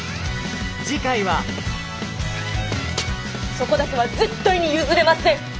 そこだけは絶対に譲れません！